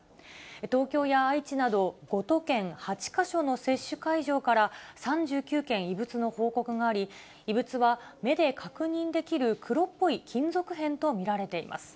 東京や愛知など、５都県８か所の接種会場から、３９件、異物の報告があり、異物は目で確認できる黒っぽい金属片と見られています。